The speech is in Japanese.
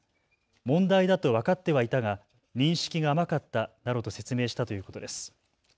問題だと分かってはいたが認識が甘かったなどと説明したということです。